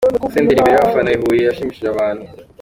Senderi imbere y’abafana i Huye yashimishije abantu.